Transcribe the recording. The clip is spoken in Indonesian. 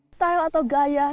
style atau gaya